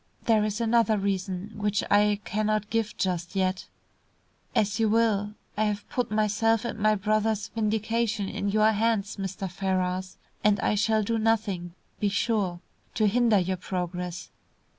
There is another reason which I cannot give just yet." "As you will. I have put myself and my brother's vindication in your hands, Mr. Ferrars, and I shall do nothing, be sure, to hinder your progress."